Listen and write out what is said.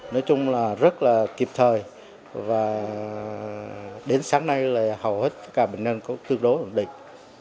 nói chung là rất là kịp thời và đến sáng nay là hầu hết cả bệnh nhân có tương đối ổn định